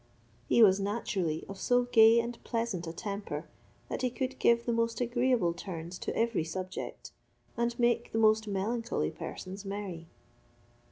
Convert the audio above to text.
He was naturally of so gay and pleasant a temper, that he could give the most agreeable turns to every subject, and make the most melancholy persons merry.